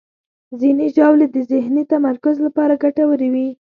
ځینې ژاولې د ذهني تمرکز لپاره ګټورې وي.